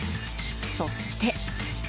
そして。